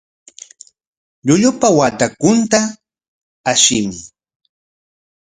Llullupa watrakunta ashimuy.